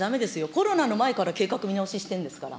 コロナの前から計画見直ししてるんですから。